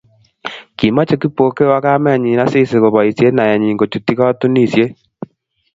Kimochei Kipokeo ak kamenyi Asisi koboisie naenyi kochutyi katunisiet